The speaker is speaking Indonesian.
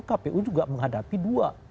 kpu juga menghadapi dua